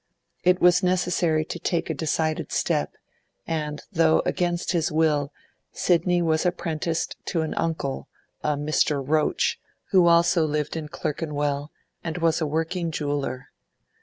It was necessary to take a decided step, and, though against his will, Sidney was apprenticed to an uncle, a Mr. Roach, who also lived in Clerkenwell, and was a working jeweller.